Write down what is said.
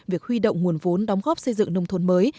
việc huy động nguồn vốn đóng góp xây dựng nông thôn mới